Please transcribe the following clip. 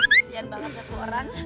kesian banget tuh orang